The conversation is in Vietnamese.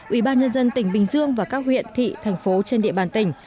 ủy ban nhân dân tỉnh bình dương và các huyện thị thành phố trên địa bàn tỉnh